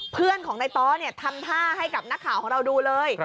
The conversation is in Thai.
เพื่อนของนายต้อทำท่าให้กับนักข่าวของเราดูเลย